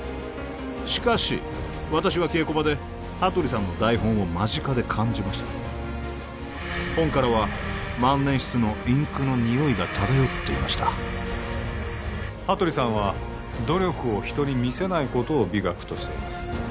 しかし私は稽古場で羽鳥さんの台本を間近で感じました本からは万年筆のインクのにおいが漂っていました羽鳥さんは努力を人に見せないことを美学としています